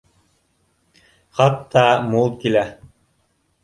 Хатта мул килә